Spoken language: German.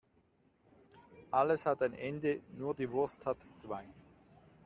Alles hat ein Ende, nur die Wurst hat zwei.